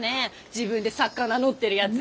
自分で作家名乗ってるやつ。